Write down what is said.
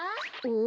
ん？